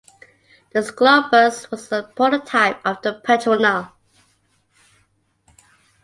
The sclopus was the prototype of the petronel.